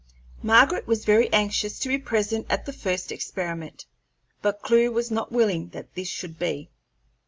Margaret was very anxious to be present at the first experiment, but Clewe was not willing that this should be.